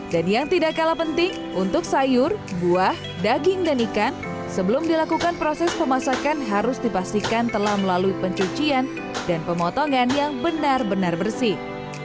dan yang tidak kalah penting untuk sayur buah daging dan ikan sebelum dilakukan proses pemasakan harus dipastikan telah melalui pencucian dan pemotongan yang benar benar bersih